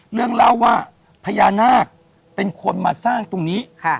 เรื่องเล่าว่าพญานาคเป็นคนมาสร้างตรงนี้ค่ะ